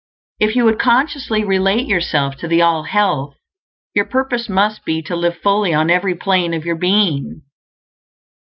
If you would consciously relate yourself to the All Health, your purpose must be to live fully on every plane of your being.